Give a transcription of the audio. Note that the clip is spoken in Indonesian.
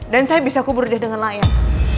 dan saya bisa kubur deh dengan lain